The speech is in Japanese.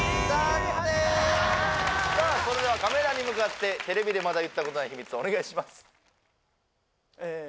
さあそれではカメラに向かってお願いしますえ